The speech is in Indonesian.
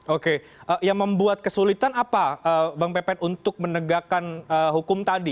oke yang membuat kesulitan apa bang pepen untuk menegakkan hukum tadi